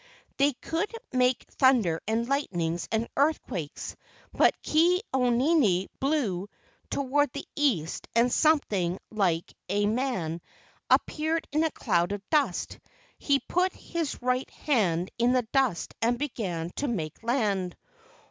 They could make thun¬ der and lightnings and earthquakes, but Ke au nini blew toward the east and something like a KE A U NINI 183 man appeared in a cloud of dust; he put his right hand in the dust and began to make land.